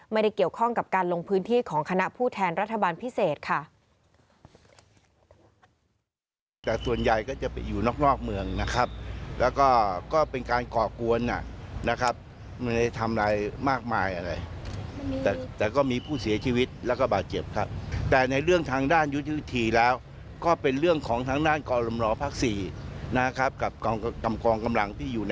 ไม่ได้เกี่ยวข้องกับการลงพื้นที่ของคณะผู้แทนรัฐบาลพิเศษค่ะ